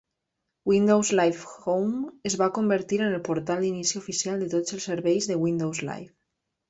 Windows Live Home es va convertir en el portal d'inici oficial de tots els serveis de Windows Live.